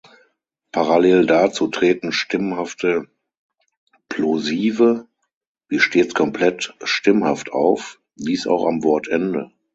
Parallel dazu treten stimmhafte Plosive wie stets komplett stimmhaft auf; dies auch am Wortende.